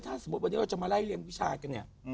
ถ้าสมมุติวันนี้เราจะมาไล่เรียนวิชาติกัน